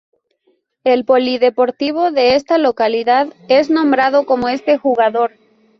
El polideportivo de esta localidad es nombrado como este jugador